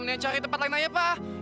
nih cari tempat lain aja paham